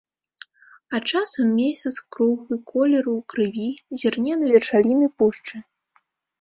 А часам месяц круглы, колеру крыві, зірне на вершаліны пушчы.